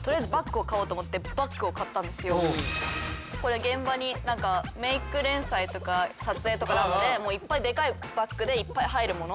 これ現場に何かメイク連載とか撮影とかあるのでいっぱいでかいバッグでいっぱい入るもの